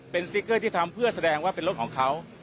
เป็นสติ๊กเกอร์ที่ทำเพื่อแสดงว่าเป็นรถของเขา